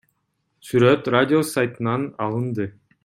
Сүрөт Радиус сайтынан алынды.